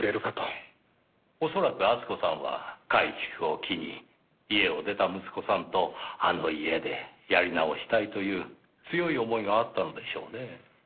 恐らく厚子さんは改築を機に家を出た息子さんとあの家でやり直したいという強い思いがあったのでしょうねぇ。